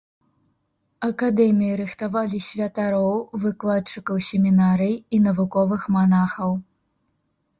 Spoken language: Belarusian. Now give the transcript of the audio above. Акадэміі рыхтавалі святароў, выкладчыкаў семінарый і навуковых манахаў.